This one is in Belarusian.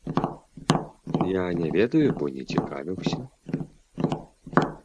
Я не ведаю, бо не цікавіўся.